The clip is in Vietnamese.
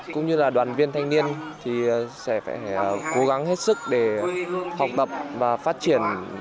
cũng như là đoàn viên thanh niên thì sẽ phải cố gắng hết sức để học tập và phát triển